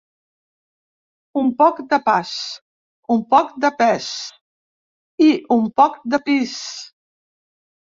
Un poc de pas, un poc de pes i un poc de pis.